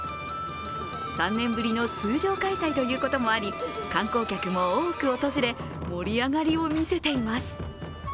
３年ぶりの通常開催ということもあり観光客も多く訪れ、盛り上がりを見せています。